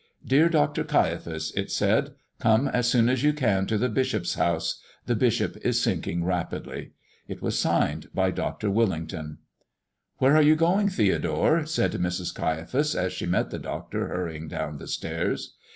"Dear Dr. Caiaphas," it said, "come as soon as you can to the bishop's house. The bishop is sinking rapidly." It was signed by Dr. Willington. "Where are you going, Theodore?" said Mrs. Caiaphas, as she met the doctor hurrying down the stairs.